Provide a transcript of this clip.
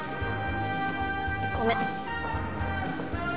ごめん。